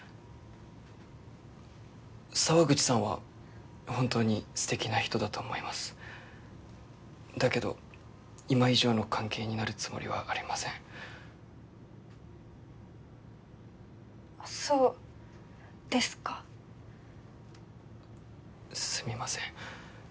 沢口さんは本当にすてきな人だと思いますだけど今以上の関係になるつもりはありませんそうですかすみません